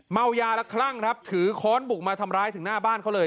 เมายาและคลั่งครับถือค้อนบุกมาทำร้ายถึงหน้าบ้านเขาเลย